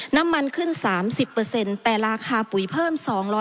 น้ำมันขึ้น๓๐แต่ราคาปุ๋ยเพิ่ม๒๐๐